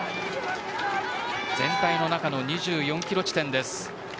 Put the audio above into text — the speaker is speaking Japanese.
全体の中の２４キロ地点です。